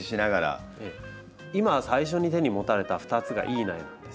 今最初に手に持たれた２つが良い苗なんですよ。